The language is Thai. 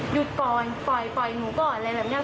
หยุดก่อนปล่อยหนูก่อนอะไรแบบนี้